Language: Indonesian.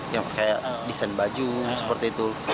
yang kayak desain baju seperti itu